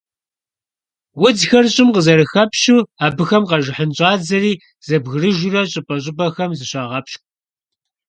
Удзхэр щIым къызэрыхэпщу, абыхэм къэжыхьын щIадзэри зэбгрыжурэ щIыпIэ-щIыпIэхэм зыщагъэпщкIу.